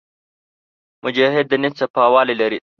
مجاهد د نیت صفاوالی لري.